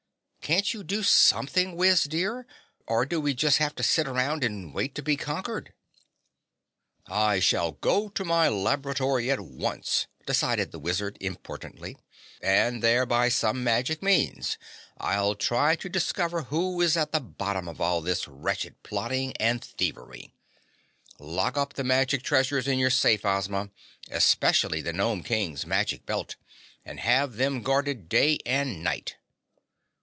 Can't you do something, Wiz dear, or do we just have to sit around and wait to be conquered?" "I shall go to my laboratory at once," decided the Wizard importantly, "and there by some magic means I'll try to discover who is at the bottom of all this wretched plotting and thievery. Lock up the magic treasures in your safe, Ozma, especially the Gnome King's magic belt, and have them guarded day and night."